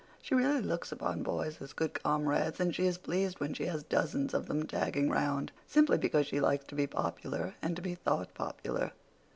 She really looks upon boys as good comrades, and she is pleased when she has dozens of them tagging round, simply because she likes to be popular and to be thought popular.